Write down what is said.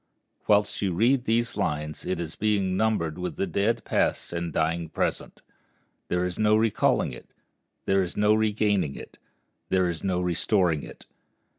Whilst you read these lines it is being numbered with the dead past and dying present. There is no recalling it; there is no regaining it; there is no restoring it.